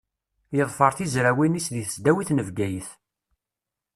Yeḍfer tizrawin-is deg tesdawit n Bgayet.